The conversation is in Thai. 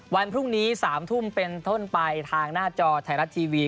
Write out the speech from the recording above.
วันพรุ่งนี้๓ทุ่มเป็นต้นไปทางหน้าจอไทยรัฐทีวี